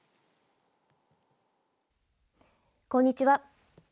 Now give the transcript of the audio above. こんにちは。